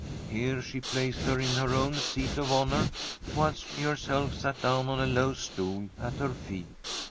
Here she placed her in her own seat of honour, whilst she herself sat down on a low stool at her feet.